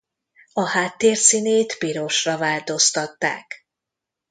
A háttér színét pirosra változtatták.